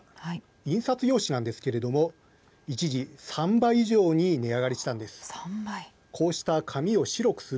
印刷用紙なんですけれども一時、３倍以上に値上がりしたんです。